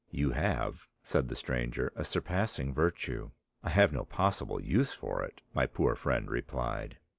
"You have," said the stranger, "a surpassing virtue." "I have no possible use for it," my poor friend replied.